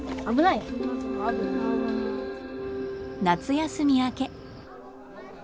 夏休み明け。